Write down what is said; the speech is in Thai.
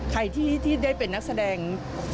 ใครที่ได้เป็นนักแสดง